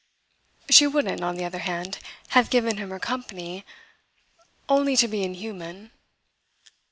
She wouldn't, on the other hand, have given him her company only to be inhuman.